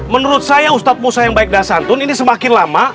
menurut saya ustaz musa yang baik dasantun ini semakin lama